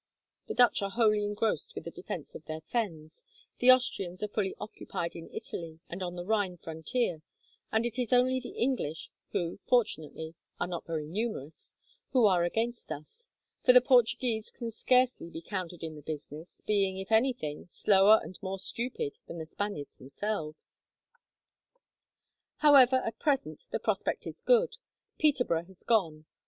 The Dutch are wholly engrossed with the defence of their fens, the Austrians are fully occupied in Italy and on the Rhine frontier, and it is only the English, who, fortunately, are not very numerous, who are against us, for the Portuguese can scarcely be counted in the business, being, if anything, slower and more stupid than the Spaniards themselves. "However, at present the prospect is good. Peterborough has gone.